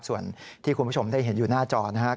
ส่วนที่คุณผู้ชมได้เห็นอยู่หน้าจอนะครับ